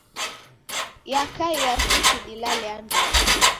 Yakaia suti dilale andonyi.